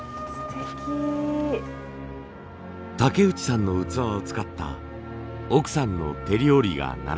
武内さんの器を使った奥さんの手料理が並びました。